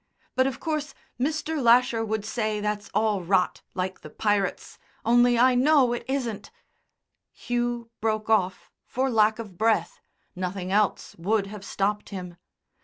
But of course Mr. Lasher would say that's all rot, like the pirates, only I know it isn't." Hugh broke off for lack of breath, nothing else would have stopped him.